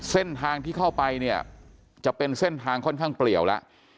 เส้นทางที่เข้าไปเนี่ยจะเป็นเส้นทางค่อนข้างเปลี่ยวแล้ว